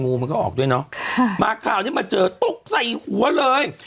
มันก็ออกด้วยเนาะมาคราวนี้มาเจอตกใส่หัวเลย